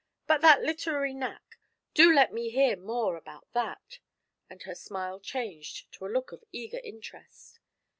But that literary knack do let me hear more about that;' and her smile changed to a look of eager interest.